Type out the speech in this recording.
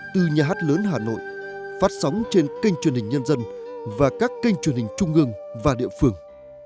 từ nhà hát lớn hà nội phát sóng trên kênh truyền hình nhân dân và các kênh truyền hình trung ương và địa phương